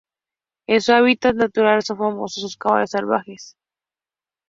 En su hábitat natural, son famosos sus caballos salvajes.